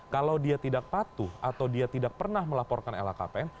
kalau dia tidak patuh atau dia tidak pernah melaporkan lhkpn